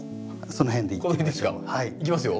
いきますよ？